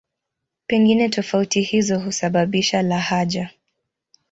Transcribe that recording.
Pengine tofauti hizo husababisha lahaja.